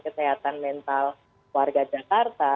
kesehatan mental warga jakarta